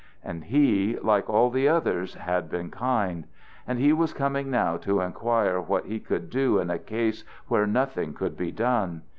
And he, like all the others, had been kind; and he was coming now to inquire what he could do in a case where nothing could be done.